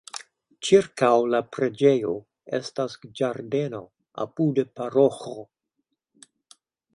Ĉirkaŭ la preĝejo estas ĝardeno, apude paroĥo.